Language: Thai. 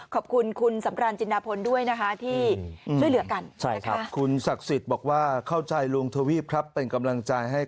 ขอบคุณคุณสำราญจินดาพลด้วยที่ช่วยเหลือกัน